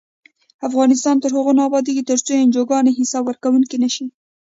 افغانستان تر هغو نه ابادیږي، ترڅو انجوګانې حساب ورکوونکې نشي.